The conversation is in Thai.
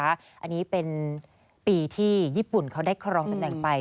อันนี้เป็นปีที่ญี่ปุ่นเขาได้ครองตำแหน่งไป